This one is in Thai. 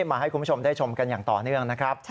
มาให้คุณผู้ชมได้ชมกันอย่างต่อเนื่องนะครับ